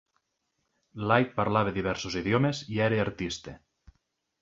Light parlava diversos idiomes i era artista.